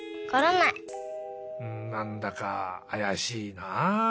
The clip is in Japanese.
うんなんだかあやしいなあ。